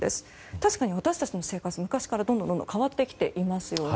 確かに私たちの生活、昔からどんどん変わってきていますよね。